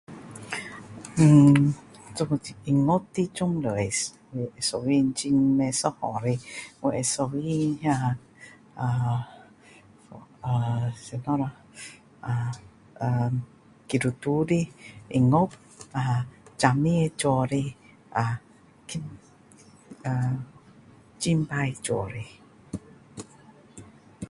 呃…做音乐的种类我喜欢的很不一样的我会喜欢那呃…呃…什么啦呃…呃…基督徒的音乐啊赞美主的呃…呃…敬拜主的